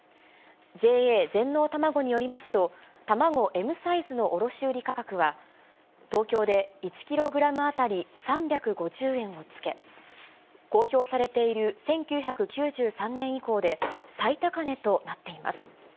ＪＡ全農たまごによりますと、卵Ｍサイズの卸売価格は、東京で１キログラム当たり３５０円をつけ、公表されている１９９３年以降で、最高値となっています。